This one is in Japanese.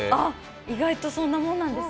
意外とそんなもんなんですか？